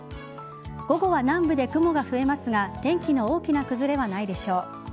午後は南部で雲が増えますが天気の大きな崩れはないでしょう。